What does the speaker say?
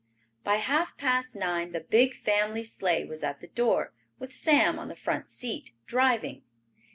By half past nine the big family sleigh was at the door, with Sam on the front seat, driving.